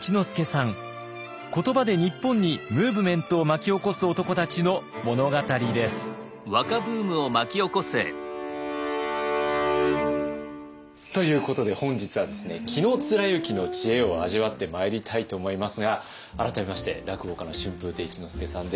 言葉で日本にムーブメントを巻き起こす男たちの物語です。ということで本日はですね紀貫之の知恵を味わってまいりたいと思いますが改めまして落語家の春風亭一之輔さんです。